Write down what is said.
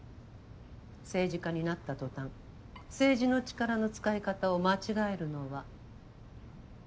政治家になった途端政治の力の使い方を間違えるのは。